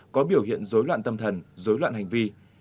có biểu hiện dối loạn tâm thần dối loạn hành vi